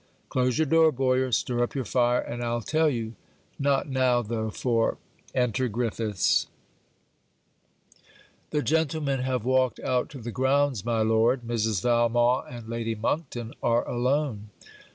Close your door, Boyer; stir up your fire; and I'll tell you. Not now though, for enter Griffiths. 'The gentlemen have walked out to the grounds, my lord. Mrs. Valmont and Lady Monkton are alone.'